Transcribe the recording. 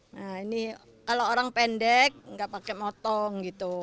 nah ini kalau orang pendek nggak pakai motong gitu